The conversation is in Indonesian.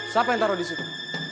siapa yang taruh disitu